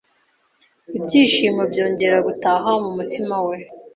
ibyishimo byongera gutaha mu mutima we